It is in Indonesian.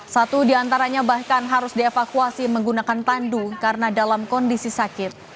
satu di antaranya bahkan harus dievakuasi menggunakan tandu karena dalam kondisi sakit